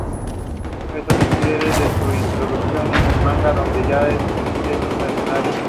Esto difiere de su introducción en el manga, donde ya es un mercenario.